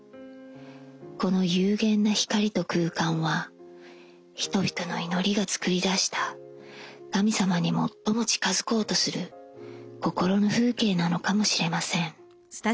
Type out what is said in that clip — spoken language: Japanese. この幽玄な光と空間は人々の祈りが作り出した神様に最も近づこうとする心の風景なのかもしれません。